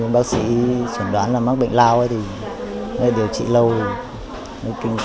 bác sĩ chuẩn đoán là mắc bệnh lao thì điều trị lâu kinh